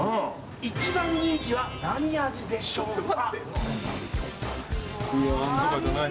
一番人気は何味でしょうか？